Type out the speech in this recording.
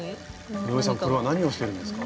井上さんこれは何をしてるんですか？